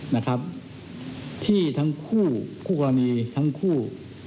นะครับที่ทั้งคู่คู่กรณีทั้งคู่